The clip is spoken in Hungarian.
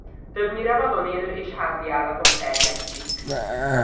Többnyire vadon élő és háziállatok terjesztik.